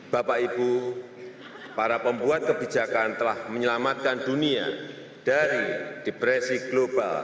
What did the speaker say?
bapak ibu para pembuat kebijakan telah menyelamatkan dunia dari depresi global